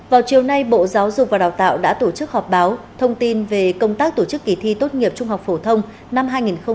vào chiều nay bộ giáo dục và đào tạo đã tổ chức họp báo thông tin về công tác tổ chức kỳ thi tốt nghiệp trung học phổ thông năm hai nghìn hai mươi